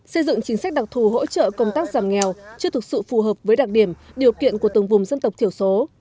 xây dựng chính sách đặc thù hỗ trợ công tác giảm nghèo chưa thực sự phù hợp với đặc điểm điều kiện của từng vùng dân tộc thiểu số